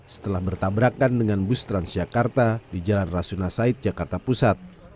setelah bertabrakan dengan bus transjakarta di jalan rasuna said jakarta pusat